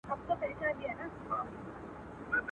ورور د ورور په ځان لېوه دی څوک چي زور لري قصاب دی.